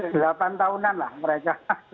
delapan tahunan lah mereka